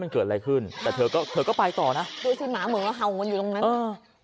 มันเกิดอะไรขึ้นแต่เธอก็เธอก็ไปต่อนะดูสิหมาเหมือนกับเห่ามันอยู่ตรงนั้นเออ